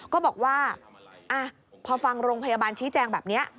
ก็บอกว่าพอฟังโรงพยาบาลชี้แจงแบบนี้